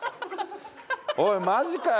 おいマジかよ。